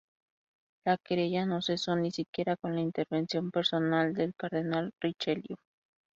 La querella no cesó ni siquiera con la intervención personal del Cardenal Richelieu.